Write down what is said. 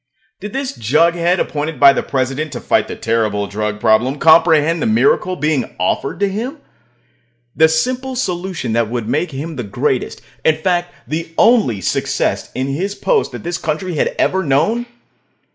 Did this jughead appointed by the President to fight the terrible drug problem comprehend the miracle being offered to him? The simple solution that would make him the greatest in fact, the only success in his post that this country had ever known?